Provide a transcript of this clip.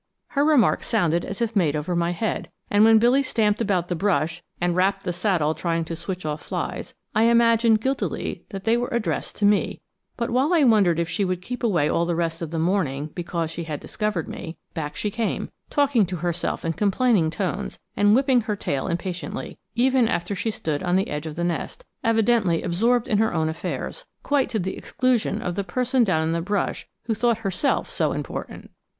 Her remarks sounded as if made over my head, and when Billy stamped about the brush and rapped the saddle trying to switch off flies, I imagined guiltily that they were addressed to me; but while I wondered if she would keep away all the rest of the morning because she had discovered me, back she came, talking to herself in complaining tones and whipping her tail impatiently, even after she stood on the edge of the nest, evidently absorbed in her own affairs, quite to the exclusion of the person down in the brush who thought herself so important!